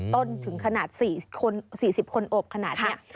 จนถึงขนาด๔๐คนอบขนาดนี้